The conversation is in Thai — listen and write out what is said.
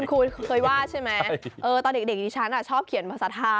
เคยว่าใช่ไหมตอนเด็กนี้ฉันชอบเขียนภาษาไทย